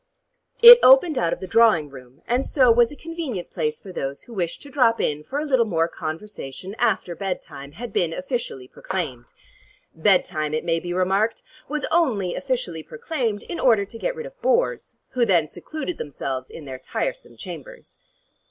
It opened out of the drawing room, and so was a convenient place for those who wished to drop in for a little more conversation after bed time had been officially proclaimed. Bed time, it may be remarked, was only officially proclaimed in order to get rid of bores, who then secluded themselves in their tiresome chambers.